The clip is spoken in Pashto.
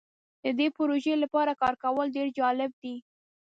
د دې پروژې لپاره کار کول ډیر جالب دی.